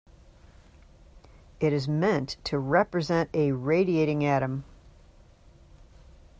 It is meant to represent a radiating atom.